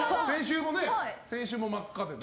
先週も真っ赤でね。